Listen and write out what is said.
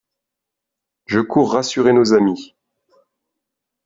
Je cours rassurer nos amis.